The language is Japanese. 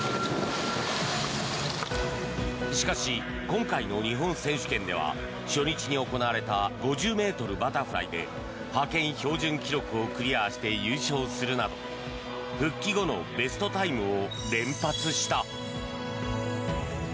しかし今回の日本選手権では初日に行われた５０ｍバタフライで派遣標準記録をクリアして優勝するなど復帰後のベストタイムを連発した。